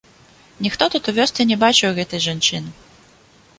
Ніхто тут у вёсцы не бачыў гэтай жанчыны.